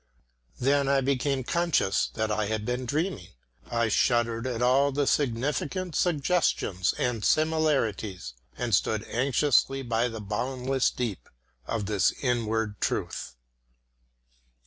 Then I became conscious that I had been dreaming; I shuddered at all the significant suggestions and similarities, and stood anxiously by the boundless deep of this inward truth.